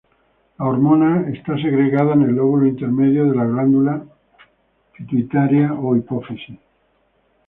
La hormona es segregada en el lóbulo intermedio de la glándula pituitaria o hipófisis.